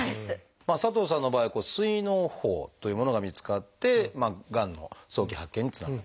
佐藤さんの場合膵のう胞というものが見つかってがんの早期発見につながったと。